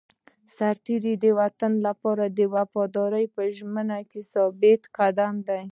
سرتېری د وطن لپاره د وفادارۍ په ژمنه کې ثابت قدم دی.